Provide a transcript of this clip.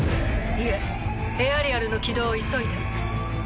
いえエアリアルの起動を急いで。